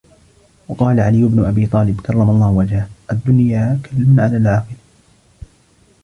وَقَالَ عَلِيُّ بْنُ أَبِي طَالِبٍ كَرَّمَ اللَّهُ وَجْهَهُ الدُّنْيَا كَلٌّ عَلَى الْعَاقِلِ